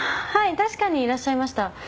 確かにいらっしゃいました。